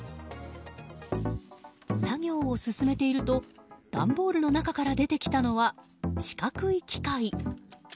作業を進めていると段ボールの中から出てきたのは四角い機械。